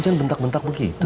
jangan bentak bentak begitu